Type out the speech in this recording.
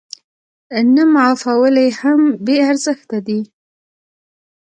نه معافول يې هم بې ارزښته دي.